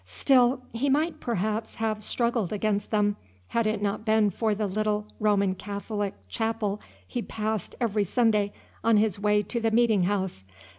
Still, he might perhaps have struggled against them, had it not been for the little Roman Catholic chapel he passed every Sunday, on his way to the meeting house.